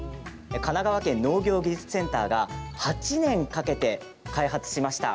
神奈川県農業技術センターが８年かけて開発しました。